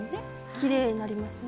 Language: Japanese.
きれいになりますね。